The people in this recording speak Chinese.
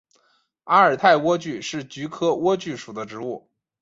阿尔泰莴苣是菊科莴苣属的植物。